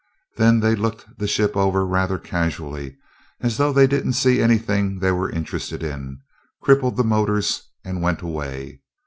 Then they looked the ship over rather casually, as though they didn't see anything they were interested in; crippled the motors; and went away.